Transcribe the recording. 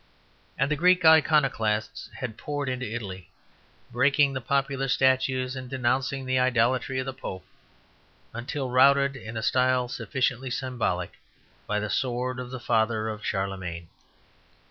And the Greek Iconoclasts had poured into Italy, breaking the popular statues and denouncing the idolatry of the Pope, until routed, in a style sufficiently symbolic, by the sword of the father of Charlemagne.